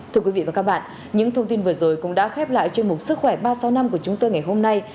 thưa quý vị và các bạn những thông tin vừa rồi cũng đã khép lại chuyên mục sức khỏe ba trăm sáu mươi năm của chúng tôi ngày hôm nay